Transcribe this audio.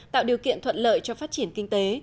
tạo điều kiện thuận lợi cho phát triển kinh tế